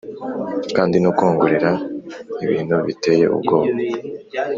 kandi no kwongorera ibintu biteye ubwoba;